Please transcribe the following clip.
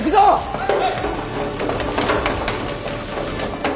はい！